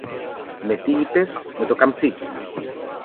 Με τι, είπες; Με το καμτσίκι!